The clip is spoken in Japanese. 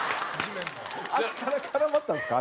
脚絡まったんですか？